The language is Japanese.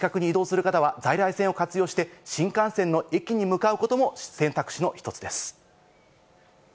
比較的、お近くに移動する方は在来線を活用して新幹線の駅に向かうことも選択肢の一つです。